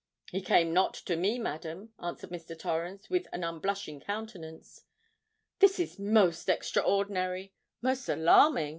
"He came not to me, madam," answered Mr. Torrens, with an unblushing countenance. "This is most extraordinary—most alarming!"